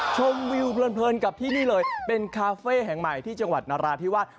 ชมวิวเพลินกับที่นี่เลยเป็นคาเฟ่แห่งใหม่ที่จังหวัดนราธิวาส